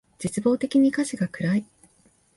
絶望的に歌詞が暗い